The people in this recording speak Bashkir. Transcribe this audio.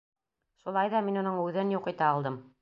Шулай ҙа мин уның үҙен юҡ итә алдым.